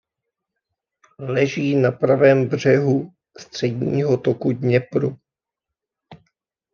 Leží na pravém břehu středního toku Dněpru.